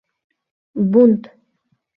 Бунт!